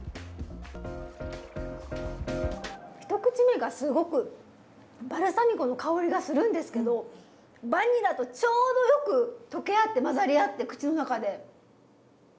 一口目がすごくバルサミコの香りがするんですけどバニラとちょうどよく溶け合って混ざり合って口の中で。